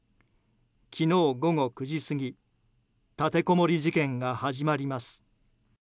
昨日午後９時過ぎ立てこもり事件が始まります。